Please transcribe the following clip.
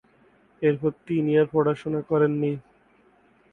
এরপর তিনি আর পড়াশোনা করেন নি।